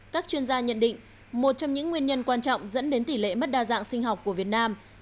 các chuyên gia nhận định một trong những nguyên nhân quan trọng dẫn đến tỷ lệ mất đa dạng sinh học của việt nam